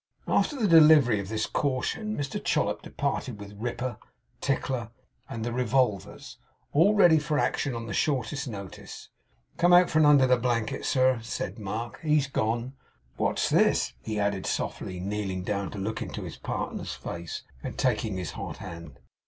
After the delivery of this caution, Mr Chollop departed; with Ripper, Tickler, and the revolvers, all ready for action on the shortest notice. 'Come out from under the blanket, sir,' said Mark, 'he's gone. What's this!' he added softly; kneeling down to look into his partner's face, and taking his hot hand.